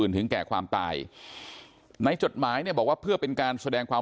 ถึงแก่ความตายในจดหมายเนี่ยบอกว่าเพื่อเป็นการแสดงความ